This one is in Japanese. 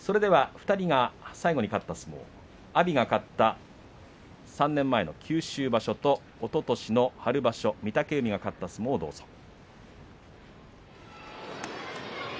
２人が最後に勝った相撲阿炎が勝った３年前の九州場所とおととしの春場所、御嶽海が勝った相撲をどうぞ。